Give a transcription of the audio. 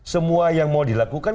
semua yang mau dilakukan